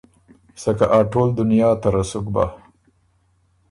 سکه اټول دنیا ته رۀ سُک بۀ